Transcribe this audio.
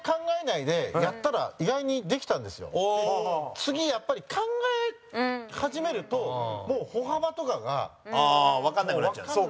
塙：次、やっぱり、考え始めるともう歩幅とかがわからなくなっちゃう。